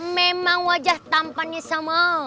memang wajah tampannya sama